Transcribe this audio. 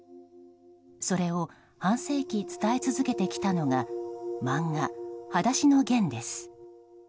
それを半世紀伝え続けてきたのが漫画「はだしのゲン」です。